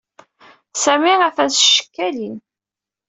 Sami atan s tcekkalin.